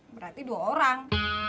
berarti dua orang